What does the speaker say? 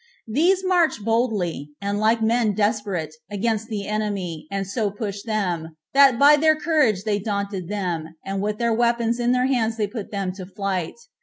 These marched boldly, and like men desperate, against the enemy, and so pushed them, that by their courage they daunted them, and with their weapons in their hands they put them to flight.